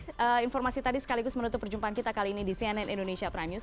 terima kasih informasi tadi sekaligus menutup perjumpaan kita kali ini di cnn indonesia prime news